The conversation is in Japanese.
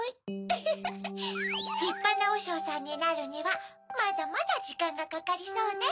フフフりっぱなおしょうさんになるにはまだまだじかんがかかりそうね。